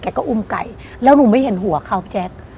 ก็อุ้มไก่แล้วหนูไม่เห็นหัวเขาพี่แจ๊ค